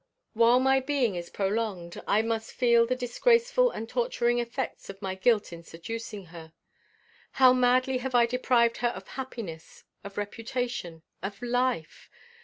While my being is prolonged, I must feel the disgraceful and torturing effects of my guilt in seducing her. How madly have I deprived her of happiness, of reputation, of life!